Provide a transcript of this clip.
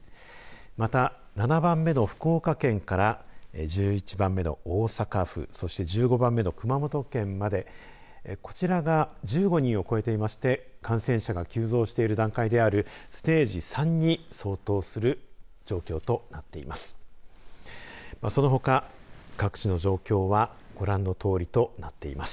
また、７番目の福岡県から１１番目の大阪府そして１５番目の熊本県までこちらが１５人を超えていまして感染者が急増している段階であるステージ３に相当する状況となっています。